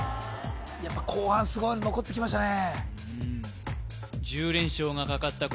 やっぱ後半すごいの残ってきましたね